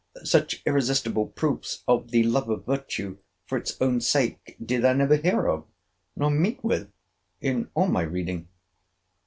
—Such irresistible proofs of the love of virtue, for its own sake, did I never hear of, nor meet with, in all my reading.